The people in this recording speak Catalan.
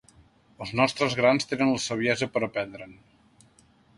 Els nostres grans tenen la saviesa per aprendre'n.